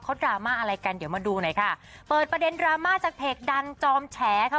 เขาดราม่าอะไรกันเดี๋ยวมาดูหน่อยค่ะเปิดประเด็นดราม่าจากเพจดังจอมแฉค่ะ